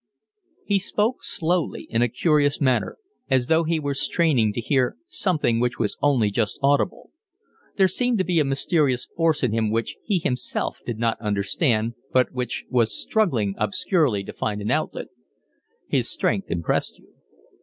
He spoke slowly, in a curious manner, as though he were straining to hear something which was only just audible. There seemed to be a mysterious force in him which he himself did not understand, but which was struggling obscurely to find an outlet. His strength impressed you.